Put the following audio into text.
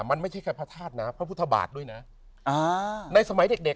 มันไม่ใช่แค่พระธาตุนะพระพุทธบาทด้วยนะอ่าในสมัยเด็กเด็ก